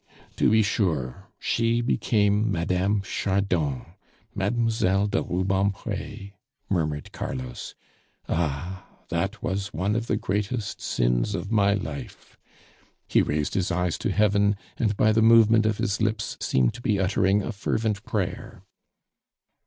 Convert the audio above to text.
"To be sure, she became Madame Chardon Mademoiselle de Rubempre!" murmured Carlos. "Ah! that was one of the greatest sins of my life." He raised his eyes to heaven, and by the movement of his lips seemed to be uttering a fervent prayer.